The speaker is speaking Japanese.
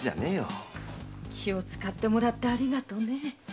気を遣ってもらってありがとうね。